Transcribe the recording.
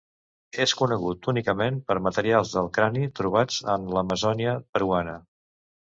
És conegut únicament per materials del crani trobats en l'Amazònia peruana.